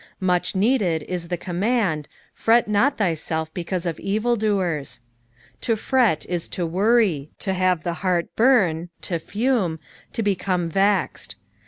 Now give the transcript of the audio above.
Much needed is ttio coniniand, " Fret not thy^f hecavM of evildoers." To fret is to worry, to have the heart bum, to fume, to l>eromc vexed.